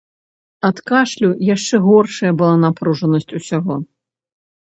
Ад кашлю яшчэ горшая была напружанасць усяго.